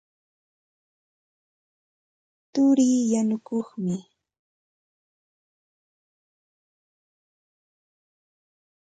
Turii yanukuqmi.